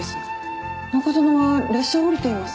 中園は列車を降りています。